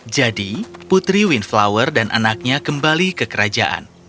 jadi putri windflower dan anaknya kembali ke kerajaan